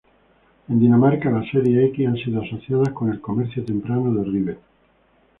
En Dinamarca, las series X han sido asociadas con el comercio temprano de Ribe.